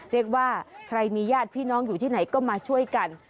เรียกว่าใครมีญาติพี่น้องอยู่ที่ไหนก็มาช่วยกัน